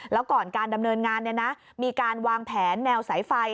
แล้วก่อนการดำเนินงานมีการวางแผนแนวสายไฟ